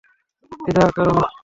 দ্বিধা কোরো না।